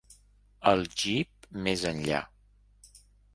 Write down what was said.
El jeep més enllà.